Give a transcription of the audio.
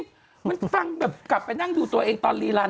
มันฟังแบบกลับไปนั่งดูตัวเองตอนรีลัน